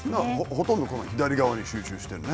ほとんどこの左側に集中してるね。